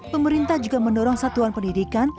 pemerintah juga mendorong satuan pendidikan